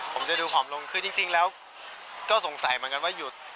ผมจะดูผอมลงคือจริงแล้วก็สงสัยเหมือนกันว่าหยุด